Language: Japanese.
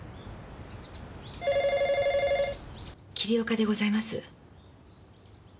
桐岡でございます。